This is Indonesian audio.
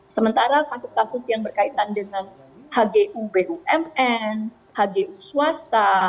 sementara kasus kasus yang berkaitan dengan hgu bumn hgu swasta